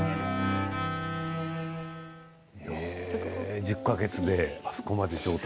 １０ か月であそこまで上達。